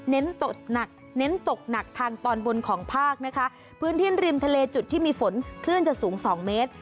ตกหนักเน้นตกหนักทางตอนบนของภาคนะคะพื้นที่ริมทะเลจุดที่มีฝนคลื่นจะสูงสองเมตร